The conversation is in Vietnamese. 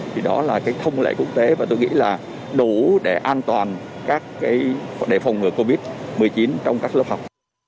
thì đó là cái thông lệ quốc tế và tôi nghĩ là đủ để an toàn các đề phòng người covid một mươi chín trong các lớp học